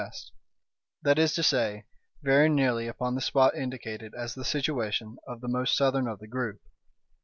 —that is to say, very nearly upon the spot indicated as the situation of the most southern of the group.